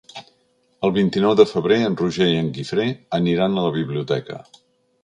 El vint-i-nou de febrer en Roger i en Guifré aniran a la biblioteca.